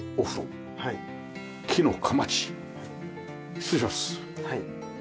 失礼します。